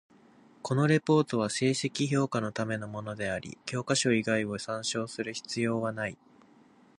このレポートは成績評価のためのものであり、教科書以外を参照する必要なない。